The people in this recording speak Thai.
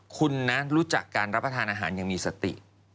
คุณนะรู้จักการรับประทานอาหารอย่างมีสติ